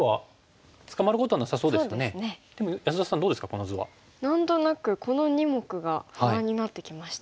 この図は。何となくこの２目が不安になってきましたね。